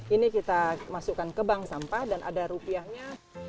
ini kita masukkan ke bank sampah dan ada rupiahnya